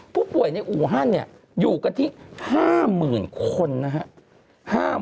ผู้ป่วยในอู่ฮั่นอยู่กันที่๕๐๐๐คนนะครับ